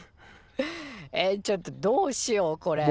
えっちょっとどうしようこれ。